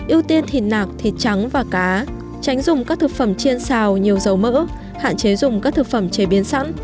quả cá tránh dùng các thực phẩm chiên xào nhiều dầu mỡ hạn chế dùng các thực phẩm chế biến sẵn